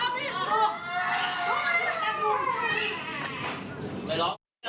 ไอ้แม่ได้เอาแม่ดูนะ